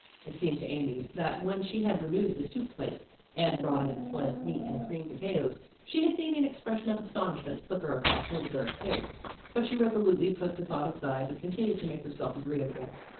It seemed to Amy that, when she had removed the soup plates and brought in the sliced meat and creamed potatoes, she had seen an expression of astonishment flicker across Hildegarde's face, but she resolutely put the thought aside and continued to make herself agreeable.